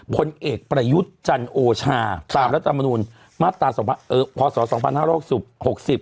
ผลเอกประยุทธ์จันโอชาตามรัฐมนุนมาตราสองพศสองพันห้าร้อยสิบหกสิบ